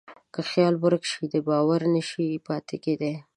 که خیال ورک شي، باور نهشي پاتې کېدی.